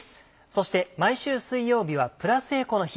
そして毎週水曜日はプラスエコの日。